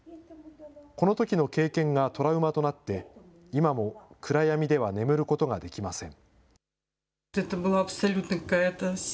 このときの経験がトラウマとなって、今も暗闇では眠ることができません。